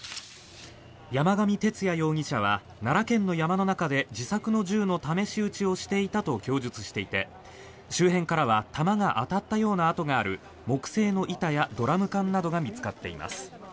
山上徹也容疑者は奈良県の山の中で自作の銃の試し撃ちをしていたと供述していて周辺からは弾が当たったような跡がある木製の板やドラム缶などが見つかっています。